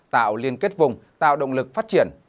tạo liên kết vùng tạo động lực phát triển